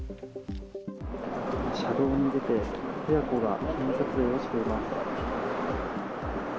車道に出て親子が記念撮影をしています。